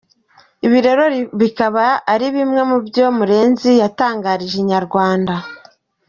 Ibi rero bikaba ari bimwe mu byo Murenzi yatanagarije inyarwabnda.